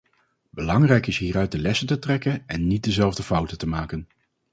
Belangrijk is hieruit de lessen te trekken en niet dezelfde fouten te maken.